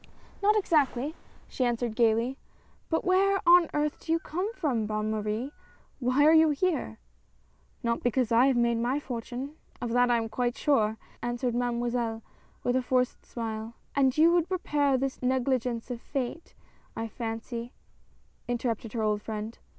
" Not exactly," she answered gayly, — "but where on earth do you come from, Bonne Marie ? Why are you here?" " Not because I have made my fortune — of that I am quite sure !" answered Mademoiselle, with a forced smile. "And you would repair this negligence of fate, I fancy," interrupted her old friend.